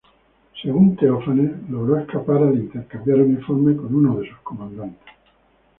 Según Teófanes, logró escapar al intercambiar uniformes con uno de sus comandantes.